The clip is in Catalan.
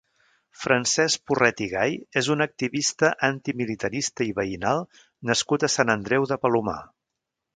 Francesc Porret i Gay és un activista antimilitarista i veïnal nascut a Sant Andreu de Palomar.